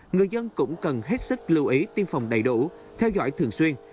người dân cũng cần hết sức lưu ý tiêm phòng đầy đủ theo dõi thường xuyên